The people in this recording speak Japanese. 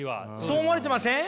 そう思われてません？